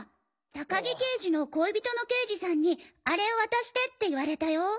高木刑事の恋人の刑事さんにあれを渡してって言われたよ。